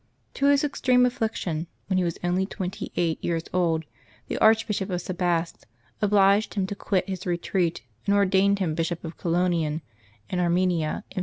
To his extreme affliction, when he was only twenty eight years old, the Archbishop of Sebaste obliged him to quit his retreat, and ordained him Bishop of Colonian in Arme nia, in 482.